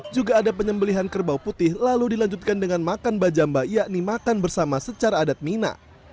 juga ada penyembelihan kerbau putih lalu dilanjutkan dengan makan bajamba yakni makan bersama secara adat mina